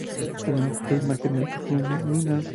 Además fue imagen del perfume "Nina" de Nina Ricci.